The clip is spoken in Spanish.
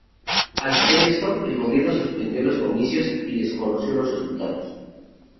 Al saber esto, el gobierno suspendió los comicios y desconoció los resultados.